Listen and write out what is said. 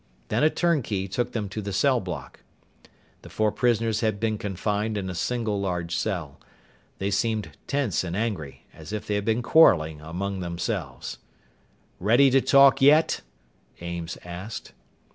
Then a turnkey took them to the cell block. The four prisoners had been confined in a single large cell. They seemed tense and angry as if they had been quarreling among themselves. "Ready to talk yet?" Ames asked.